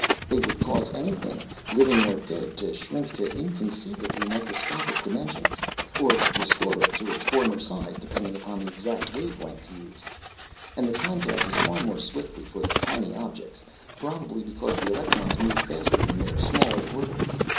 They would cause anything, living or dead, to shrink to inconceivably microscopic dimensions or restore it to its former size, depending upon the exact wave length used. "And time passes far more swiftly for the tiny objects probably because the electrons move faster in their smaller orbits.